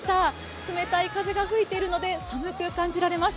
冷たい風が吹いているので、寒く感じられます。